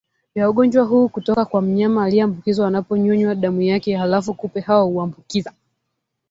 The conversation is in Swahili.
vya ugonjwa huu kutoka kwa mnyama aliyeambukizwa anaponyonywa damu yake Halafu kupe hao huambukiza